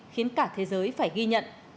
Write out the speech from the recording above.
khiến cả thế giới phải ghi nhận